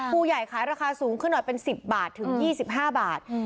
ผู้ใหญ่ขายราคาสูงขึ้นหน่อยเป็น๑๐บาทถึง๒๕บาท